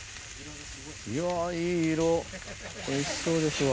うわいい色おいしそうですわ。